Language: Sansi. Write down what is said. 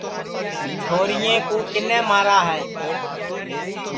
چھوریا کِنے مارے ہے